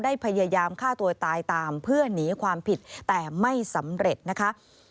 พยายามฆ่าตัวตายตามเพื่อหนีความผิดแต่ไม่สำเร็จนะคะ